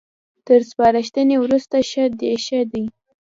تر سپارښتنې وروسته ښه ديښه دي